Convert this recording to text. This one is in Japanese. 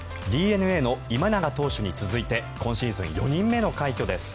ＤｅＮＡの今永投手に続いて今シーズン４人目の快挙です。